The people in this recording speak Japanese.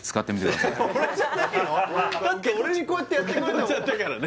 だって俺にこうやってやってくれるの受け取っちゃったからね